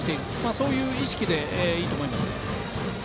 そういう意識でいいと思います。